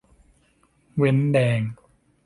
เว้นแดง